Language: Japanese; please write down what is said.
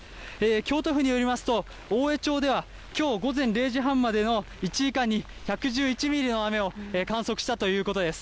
京都府によりますと、おおえ町では、きょう午前０時半までの１時間に、１１１ミリの雨を観測したということです。